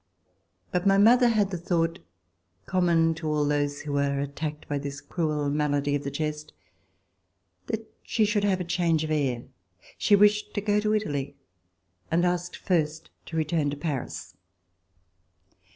But my mother had the thought, common to all those who are attacked by this cruel malady of the chest, that she should have a change of air. She wished to go to Italy, and asked first to return to Paris.